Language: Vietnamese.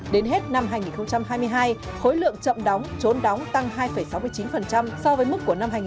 đến hết năm hai nghìn hai mươi hai khối lượng chậm đóng trốn đóng tăng hai sáu mươi chín so với mức của năm hai nghìn hai mươi